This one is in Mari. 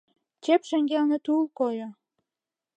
Чеп шеҥгелне тул койо.